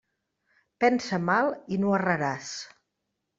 Pensa mal i no erraràs.